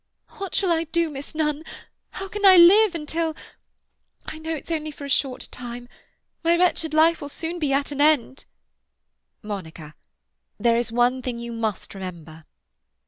"What shall I do, Miss Nunn? How can I live until—? I know it's only for a short time. My wretched life will soon be at an end—" "Monica—there is one thing you must remember."